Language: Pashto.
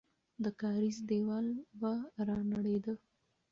د کارېز دیوال به رانړېده.